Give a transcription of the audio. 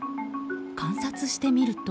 観察してみると。